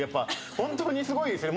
本当にすごいですね。